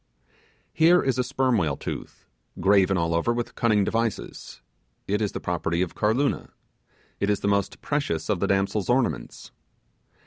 Here is a sperm whale tooth, graven all over with cunning devices: it is the property of Karluna; it is the most precious of the damsel's ornaments.